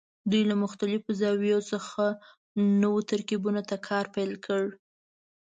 دوی له مختلفو زاویو څخه نوو ترکیبونو کار پیل کړ.